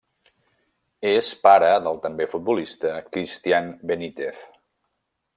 És pare del també futbolista Christian Benítez.